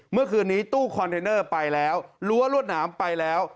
เมื่อคืนนี้ตู้คอนเทนเนอร์ไปแล้วรั้วรวดหนามไปแล้ว